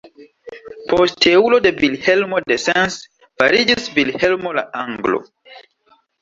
Posteulo de Vilhelmo de Sens fariĝis Vilhelmo la Anglo.